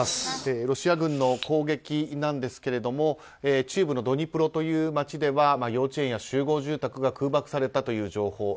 ロシア軍の攻撃ですが中部のドニプロという町では幼稚園や集合住宅が空爆されたという情報。